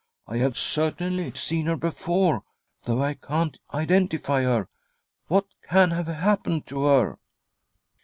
" I have certainly seen her before, though I can't identify her. What can. have happened to her